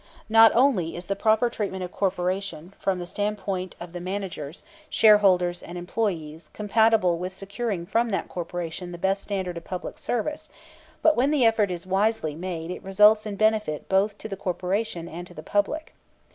Not only is the proper treatment of a corporation, from the standpoint of the managers, shareholders, and employees, compatible with securing from that corporation the best standard of public service, but when the effort is wisely made it results in benefit both to the corporation and to the public.